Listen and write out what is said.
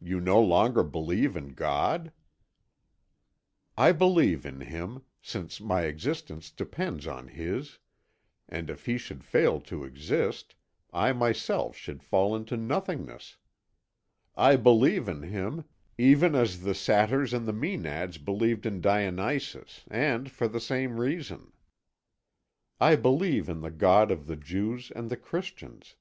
You no longer believe in God?" "I believe in Him, since my existence depends on His, and if He should fail to exist, I myself should fall into nothingness. I believe in Him, even as the Satyrs and the Mænads believed in Dionysus and for the same reason. I believe in the God of the Jews and the Christians.